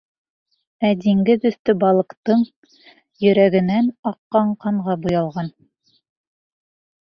Ә диңгеҙ өҫтө балыҡтың йөрәгенән аҡҡан ҡанға буялған.